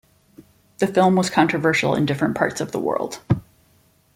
The film was controversial in different parts of the world.